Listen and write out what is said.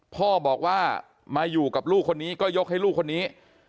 พ่อบอกว่ามาอยู่กับลูกคนนี้ก็ยกให้ลูกคนนี้